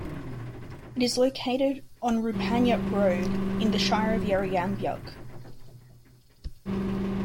It is located on Rupanyup Road in the Shire of Yarriambiack.